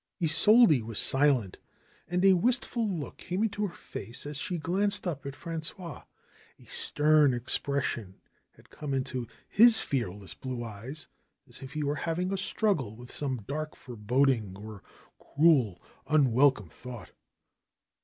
Isolde was silent and a wistful look came into her face as she glanced up at Frangois. A stern expression had come into his fearless blue eyes, as if he were having a struggle with some dark foreboding or cruel, unwel come thought.